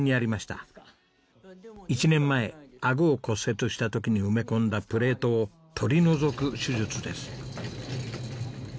１年前あごを骨折した時に埋め込んだプレートを取り除く手術です。